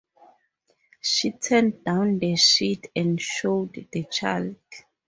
She turned down the sheet and showed the child.